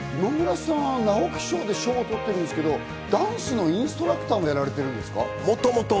今村さん、直木賞で賞を取ってるんですけど、ダンスのインストラクターもやられてるんですか？